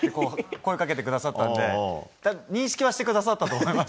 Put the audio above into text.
声をかけてくださったので認識はしてくださったと思います。